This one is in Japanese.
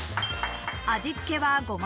味付けはごま